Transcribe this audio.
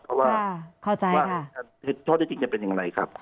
เพราะว่าเหตุชอบที่จริงจะเป็นอย่างไรครับ